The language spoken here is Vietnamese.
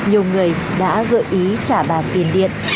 nhiều người đã gợi ý trả bà tiền điện